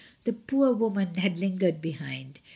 The poor woman had lingered behind.